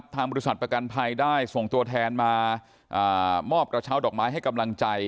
ทางบริษัทประกันภัยได้ส่งตัวแทนมามอบกระเช้าดอกไม้ให้กำลังใจ